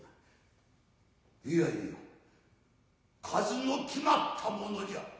いやいや数の決まったものじゃ。